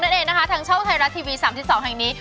นั่นเองนะคะทางช่องไทยรัฐทีวี๓๒แห่งนี้